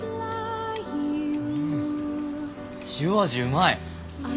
塩味うまい！